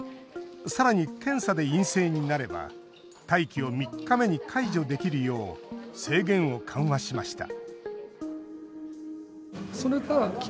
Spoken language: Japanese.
さらに検査で陰性になれば待機を３日目に解除できるよう制限を緩和しました